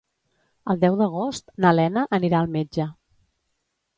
El deu d'agost na Lena anirà al metge.